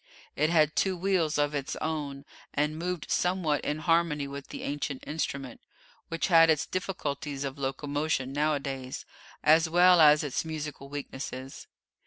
It had two wheels of its own, and moved somewhat in harmony with the ancient instrument, which had its difficulties of locomotion nowadays, as well as its musical weaknesses.